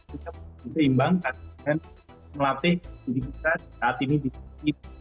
kita bisa imbangkan dan melatih diri kita saat ini di situ